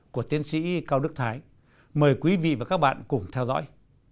của tiến sĩ cao đức thái mời quý vị và các bạn cùng theo dõi